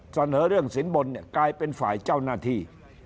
เสนอเรื่องสินบนเนี่ยกลายเป็นฝ่ายเจ้าหน้าที่